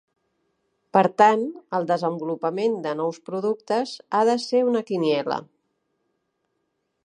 Per tant, el desenvolupament de nous productes ha de ser una quiniela.